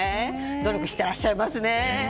努力していらっしゃいますね。